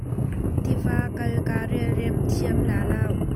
Tiva kal kaa relrem thiam lai lo.